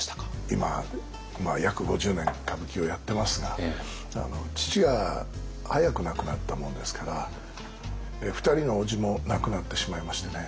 今約５０年歌舞伎をやってますが父が早く亡くなったもんですから２人のおじも亡くなってしまいましてね